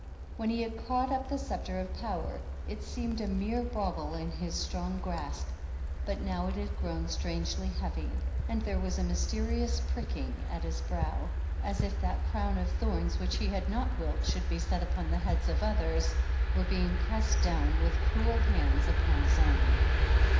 When he had caught up the sceptre of power, it seemed a mere bauble in his strong grasp, but now it had grown strangely heavy, and there was a mysterious prick ing at his brow, as if that crown of thorns which he had not willed should be set upon the heads of oth ers, were being pressed down with cruel hands upon his own.